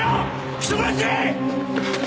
人殺し！